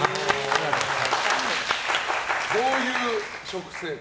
どういう食生活？